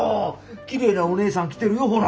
きれいなおねえさん来てるよほら。